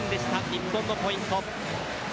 日本のポイント。